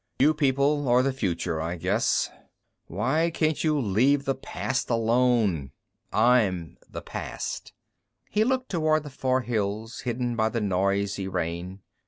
"You people are the future, I guess. Why can't you leave the past alone? I'm the past." He looked toward the far hills, hidden by the noisy rain.